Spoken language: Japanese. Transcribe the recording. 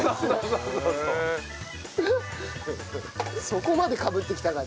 そこまでかぶってきたかって。